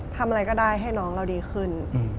ทำอะไรก็ได้ให้น้องเราดีขึ้น